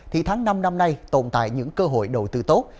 thì tháng năm năm nay tồn tại những cơ hội đầu tư tốt